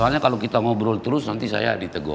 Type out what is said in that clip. soalnya kalau kita ngobrol terus nanti saya ditegur